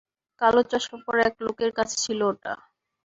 কালো চশমা পরা এক লোকের কাছে ছিল ওটা।